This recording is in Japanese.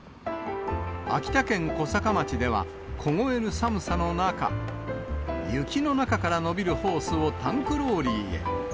秋田県小坂町では、凍える寒さの中、雪の中から伸びるホースをタンクローリーへ。